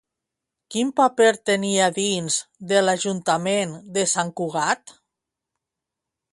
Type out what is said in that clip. Quin paper tenia dins de l'Ajuntament de Sant Cugat?